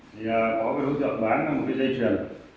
thì có cái đối tượng bán một cái dây chuyền